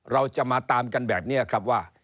เราจะมาตามกันแบบนี้ครับว่า